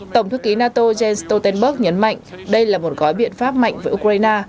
tổng thư ký nato jens stoltenberg nhấn mạnh đây là một gói biện pháp mạnh với ukraine